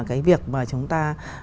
cái việc mà chúng ta